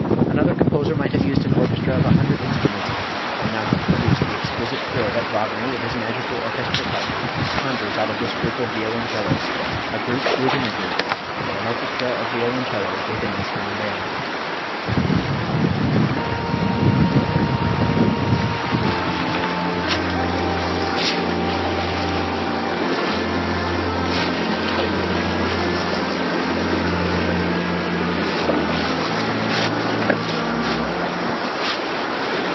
Another composer might have used an orchestra of a hundred instruments and not have produced the exquisite thrill that Wagner with his magical orchestral touch conjures out of this group of violoncellos, a group within a group, an orchestra of violoncellos within the string band.